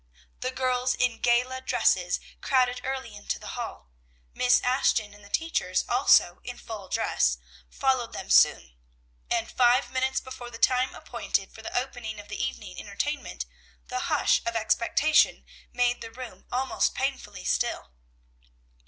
The girls in gala dress crowded early into the hall; Miss Ashton and the teachers, also in full dress, followed them soon; and five minutes before the time appointed for the opening of the evening entertainment the hush of expectation made the room almost painfully still.